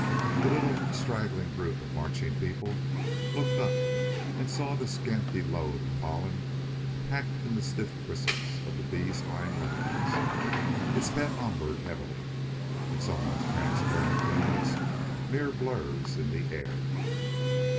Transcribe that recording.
The little, straggling group of marching people looked up and saw the scanty load of pollen packed in the stiff bristles of the bee's hind legs. It sped onward heavily, its almost transparent wings mere blurs in the air.